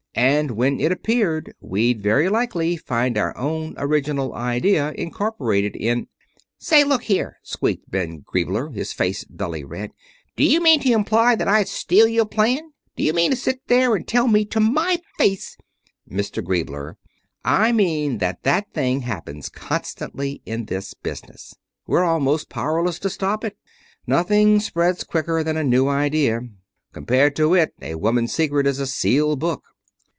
And when it appeared we'd very likely find our own original idea incorporated in " "Say, look here!" squeaked Ben Griebler, his face dully red. "D'you mean to imply that I'd steal your plan! D'you mean to sit there and tell me to my face " "Mr. Griebler, I mean that that thing happens constantly in this business. We're almost powerless to stop it. Nothing spreads quicker than a new idea. Compared to it a woman's secret is a sealed book."